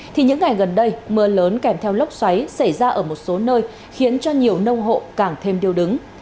thì những ngày gần đây mưa lớn kèm theo lốc xoáy xảy ra ở một số nơi khiến cho nhiều nông hộ càng thêm điều đứng